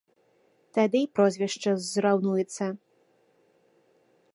Тады й прозвішча зраўнуецца.